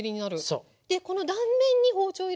そう。